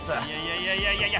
いやいやいやいや